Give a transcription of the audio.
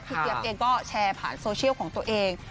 เจี๊ยบเองก็แชร์ผ่านโซเชียลของตัวเอง